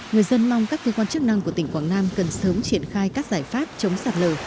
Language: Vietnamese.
người dân mong các cơ quan chức năng của tỉnh quảng nam cần sớm triển khai các giải pháp chống sạt lở